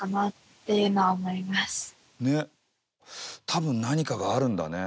多分何かがあるんだね。